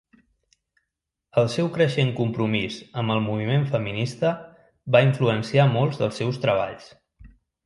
El seu creixent compromís amb el moviment feminista va influenciar molts dels seus treballs.